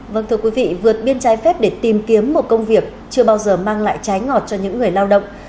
vâng thưa quý vị vượt biên trái phép để tìm kiếm một công việc chưa bao giờ mang lại trái ngọt cho những người lao động